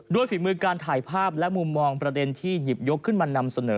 ฝีมือการถ่ายภาพและมุมมองประเด็นที่หยิบยกขึ้นมานำเสนอ